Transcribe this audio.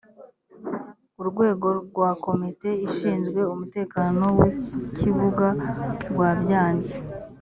urwego rwa komite ishinzwe umutekano w’ ikibuga rwabyanze